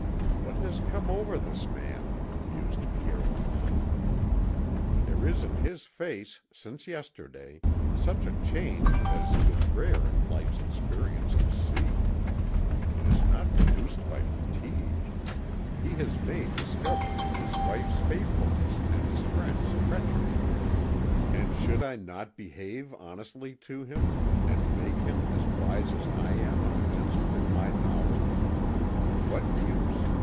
"What has come over this man?" mused Pierre Lamont. "There is in his face, since yesterday, such a change as it is rare in life's experience to see. It is not produced by fatigue. Has he made discovery of his wife's faithlessness and his friend's treachery. And should I not behave honestly to him, and make him as wise as I am on events within my knowledge? What use?